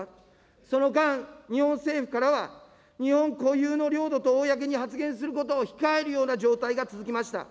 その間、日本政府からは、日本固有の領土と公に発言することを控えるような状態が続きました。